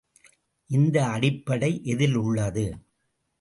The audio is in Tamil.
இந்த அடிப்படை எதில் உள்ளது?